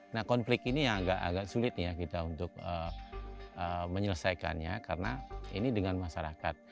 nah konflik ini yang agak sulit ya kita untuk menyelesaikannya karena ini dengan masyarakat